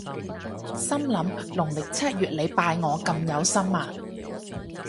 心諗農曆七月你拜我咁有心呀？